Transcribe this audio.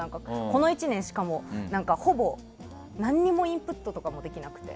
この１年、しかもほぼ何もインプットとかもできなくて。